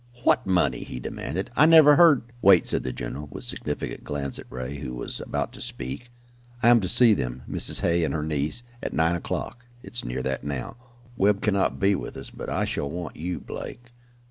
"What money?" he demanded. "I never heard " "Wait," said the general, with significant glance at Ray, who was about to speak. "I am to see them Mrs. Hay and her niece at nine o'clock. It is near that now. Webb cannot be with us, but I shall want you, Blake.